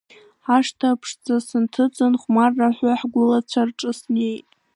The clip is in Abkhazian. Ҳашҭа ԥшӡа сынҭыҵын, хәмарра ҳәа ҳгәылацәа рҿы снеит.